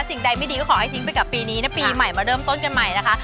สิ่งใดไม่ดีก็ขอให้ทิ้งไปกับปีนี้นะปีใหม่มาเริ่มต้นกันใหม่นะคะ